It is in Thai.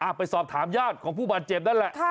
ไปสอบถามญาติของผู้บาดเจ็บนั่นแหละ